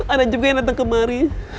ada juga yang datang kemari